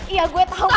iya gue tau